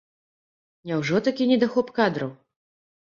Няўжо такі недахоп кадраў?